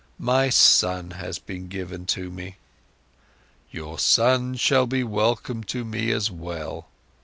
My son has been given to me." "Your son shall be welcome to me as well.